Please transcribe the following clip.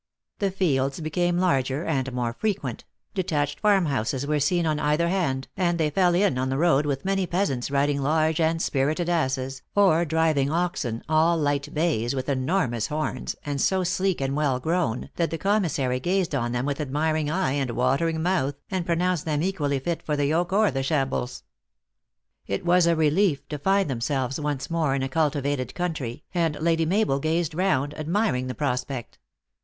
The fields became larger and more frequent ; detached farm houses were seen on either hand, and they fell in on the road with many peasants riding large and spirited asses, or driving 160 THE ACTRESS IN HIGH LIFE. oxen all light bays with enormous horns, and so sleek and well grown, that the commissary gazed on them with admiring eye and watering mouth, and pronoun ced them equally fit for the yoke or the shambles. It was a relief to find themselves once more in a cultivated country, and Lady Mabel gazed round, ad miring the prospect.